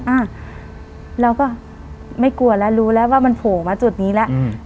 อ่าเราก็ไม่กลัวแล้วรู้แล้วว่ามันโผล่มาจุดนี้แล้วอืม